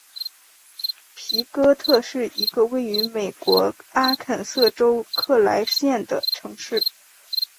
皮哥特是一个位于美国阿肯色州克莱县的城市。